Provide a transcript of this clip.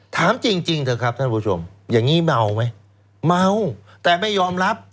ถามจริงเถอะครับท่านผู้ชมอย่างนี้เมาไหมเมาแต่ไม่ยอมรับ